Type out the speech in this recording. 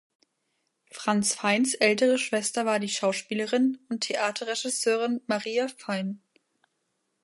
Franz Feins ältere Schwester war die Schauspielerin und Theaterregisseurin Maria Fein.